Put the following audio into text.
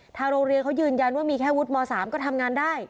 ทางโรงเรียนเขายืนยันว่ามีแค่วุฒิม๓ก็ทำงานได้